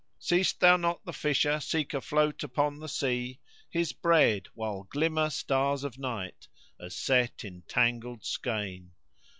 Seest thou not the fisher seek afloat upon the sea * His bread, while glimmer stars of night as set in tangled skein.